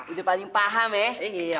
udah paling paham ya